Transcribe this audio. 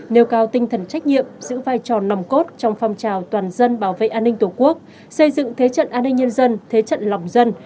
nêu cao tinh thần trách nhiệm giữ vai trò nằm cốt trong phong trào toàn dân bảo vệ an ninh tổ quốc xây dựng thế trận an ninh nhân dân thế trận lòng dân